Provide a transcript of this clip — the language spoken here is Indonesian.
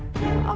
ada apa ini